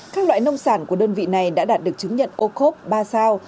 các loại nông sản của đơn vị này đã đạt được chứng nhận ocop ba sao